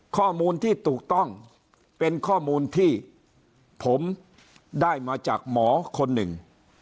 ข้อมูลที่ถูกต้องเป็นข้อมูลที่ผมได้มาจากหมอคนหนึ่ง